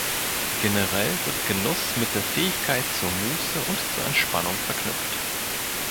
Generell wird Genuss mit der Fähigkeit zur Muße und zur Entspannung verknüpft.